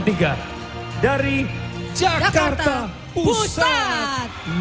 dari jakarta utara